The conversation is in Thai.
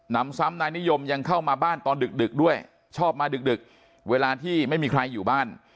นำซ้ำนายนิยมยังเข้ามาบ้านตอนดึกด้วยชอบมาดึกเวลาที่ไม่มีใครอยู่บ้าน